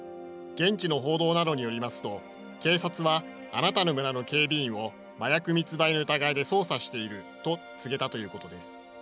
現地の報道などによりますと警察は「あなたの村の警備員を麻薬密売の疑いで捜査している」と告げたということです。